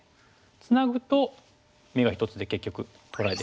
ツナぐと眼が１つで結局取られてしまいますし。